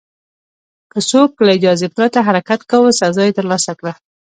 که څوک له اجازې پرته حرکت کاوه، سزا یې ترلاسه کړه.